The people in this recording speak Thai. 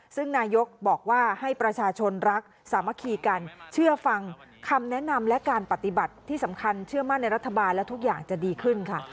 ซึ่งนายกบอกว่าให้ประชาชนรักสามัคคีกันเชื่อฟังคำแนะนำและการปฏิบัติที่สำคัญเชื่อมั่นในรัฐบาลและทุกอย่างจะดีขึ้นค่ะ